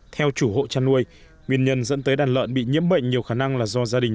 theo chủ hộ chăn nuôi nguyên nhân dẫn tới đàn lợn bị nhiễm bệnh nhiều khả năng là do gia đình